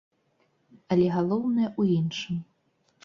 Але галоўнае ў іншым.